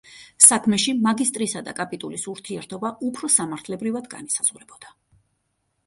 საქმეში მაგისტრისა და კაპიტულის ურთიერთობა უფრო სამართლებრივად განისაზღვრებოდა.